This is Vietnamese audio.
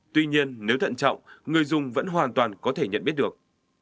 tuy nhiên nếu thận trọng người dùng vẫn hoàn toàn có thể nhận biết được